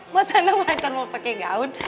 masa anak mancan mau pake gaun